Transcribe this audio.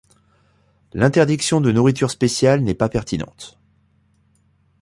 L'interdiction de nourritures spéciales n'est pas pertinente.